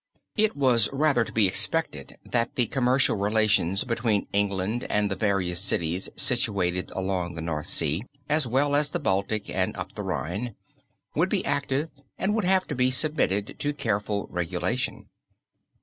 It was rather to be expected that the commercial relations between England and the various cities situated along the North Sea, as well as the Baltic and up the Rhine, would be active and would have to be submitted to careful regulation.